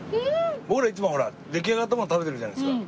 僕らいつもほら出来上がったもの食べてるじゃないですか。